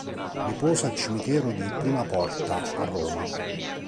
Riposa al Cimitero di Prima Porta a Roma.